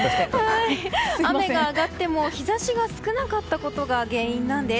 雨が上がっても日差しが少なかったことが原因なんです。